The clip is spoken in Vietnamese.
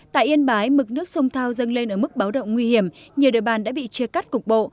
tại yên bái mực nước sông thao dâng lên ở mức báo động nguy hiểm nhiều địa bàn đã bị chia cắt cục bộ